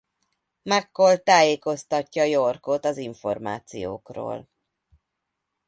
McCall tájékoztatja York-ot az információkról.